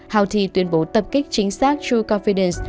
houthi tuyên bố tập kích chính xác true confidence